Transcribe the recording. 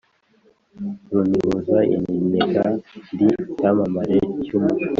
Runihuza iminega, ndi icyamamare cy'umutwe